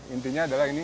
intinya adalah ini